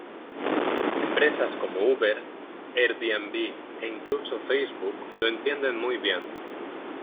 Empresas como Uber, Airbnb e incluso Facebook lo entienden muy bien.